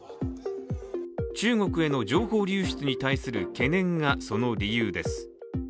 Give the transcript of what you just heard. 中国への情報流出に対する懸念がその理由です。